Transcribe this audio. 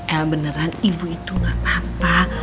eh beneran ibu itu gak apa apa